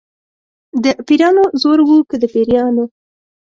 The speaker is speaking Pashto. د پیرانو زور و که د پیریانو.